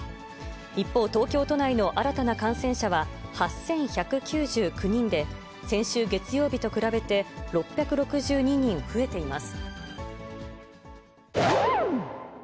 一方、東京都内の新たな感染者は８１９９人で、先週月曜日と比べて、６６２人増えています。